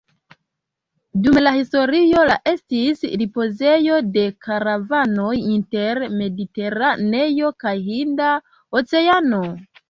Dum la historio la estis ripozejo de karavanoj inter Mediteraneo kaj Hinda Oceano.